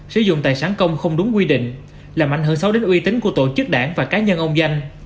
sử dụng tài sản công không đúng quy định làm ảnh hưởng sâu đến uy tín của tổ chức đảng và cá nhân ông danh